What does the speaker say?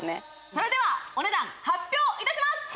それではお値段発表いたします